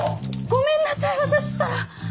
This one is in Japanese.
ごめんなさい私ったら！